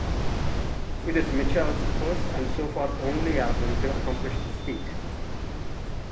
It is Mitchell's first, and so far only, album to accomplish this feat.